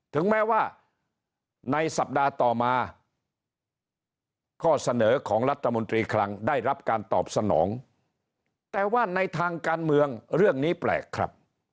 ถึงแม้ว่าในสัปดาห์ต่อมาข้อเสนอของรัฐมนตรีคลังได้รับการตอบสนองแต่ว่าในทางการเมืองเรื่องนี้แปลกครับ